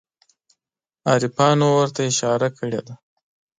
عارفانو ورته اشاره کړې ده.